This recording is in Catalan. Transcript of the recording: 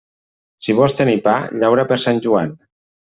Si vols tenir pa, llaura per Sant Joan.